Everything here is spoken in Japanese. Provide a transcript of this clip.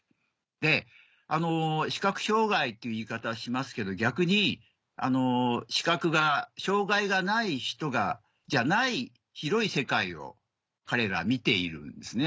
で視覚障がいっていう言い方はしますけど逆に視覚が障がいがない人がじゃない広い世界を彼らは見ているんですね。